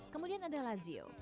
kemudian ada lazio